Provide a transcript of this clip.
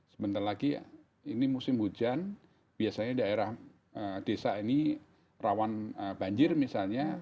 sebentar lagi ini musim hujan biasanya daerah desa ini rawan banjir misalnya